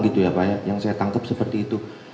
gitu ya pak ya yang saya tangkap seperti itu